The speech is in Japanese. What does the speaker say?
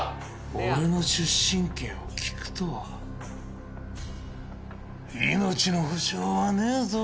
俺の出身県を聞くとは命の保証はねえぞ。